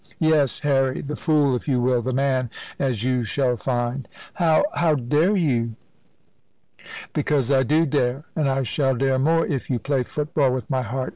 "Yes. Harry the fool, if you will; the man, as you shall find." "How how dare you?" "Because I do dare, and I shall dare more, if you play football with my heart.